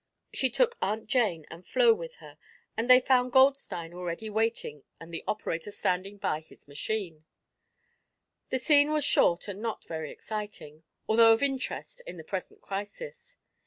She took Aunt Jane and Flo with her and they found Goldstein already waiting and the operator standing by his machine. The scene was short and not very exciting, although of interest in the present crisis.